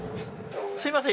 すみません。